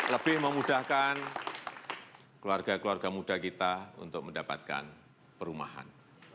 lebih memudahkan keluarga keluarga muda kita untuk mendapatkan perumahan